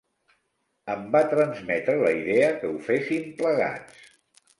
Em va transmetre la idea que ho féssim plegats.